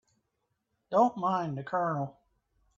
Don't mind the Colonel.